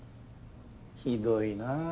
ひどいなぁ。